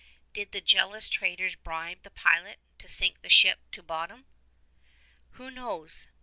Did the jealous traders bribe the pilot to sink the ship to bottom? Who knows?